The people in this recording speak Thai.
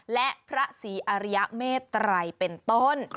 และพระศรีอริยเมตรัยเป็นต้น